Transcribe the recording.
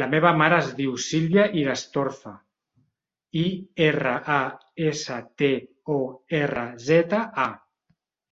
La meva mare es diu Sílvia Irastorza: i, erra, a, essa, te, o, erra, zeta, a.